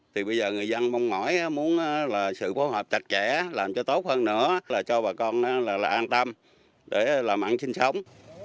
thì bây giờ người dân mong mỏi muốn sự phối hợp chặt chẽ làm cho tốt hơn nữa cho bà con an tâm để làm ăn sinh sống